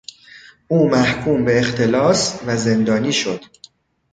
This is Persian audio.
او محکوم به اختلاس و زندانی شد.